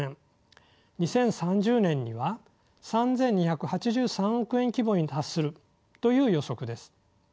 ２０３０年には３，２８３億円規模に達するという予測です。